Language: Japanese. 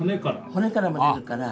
骨からも出るから。